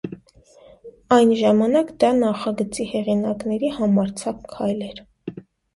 Այն ժամանակ դա նախագծի հեղինակների համարձակ քայլ էր։